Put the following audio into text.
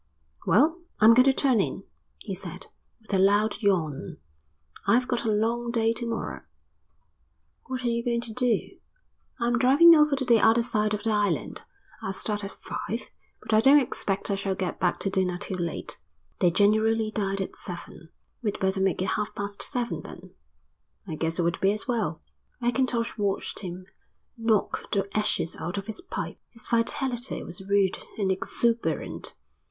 "Well, I'm going to turn in," he said with a loud yawn. "I've got a long day to morrow." "What are you going to do?" "I'm driving over to the other side of the island. I'll start at five, but I don't expect I shall get back to dinner till late." They generally dined at seven. "We'd better make it half past seven then." "I guess it would be as well." Mackintosh watched him knock the ashes out of his pipe. His vitality was rude and exuberant.